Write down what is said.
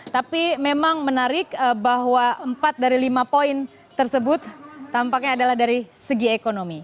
tapi memang menarik bahwa empat dari lima poin tersebut tampaknya adalah dari segi ekonomi